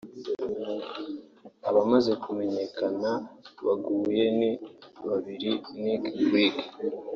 Abamaze kumenyekana beguye ni babiri Nick Clegg